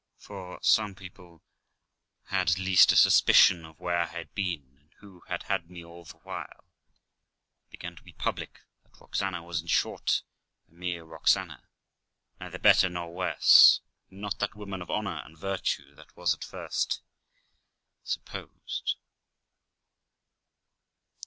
For, as t some people had got at least a suspicion of where I had been, and who had had me all the while, it began to be public that Roxana was, in short, a mere Roxana, neither better nor worse, and not that woman of honour and virtue that was at first supposed.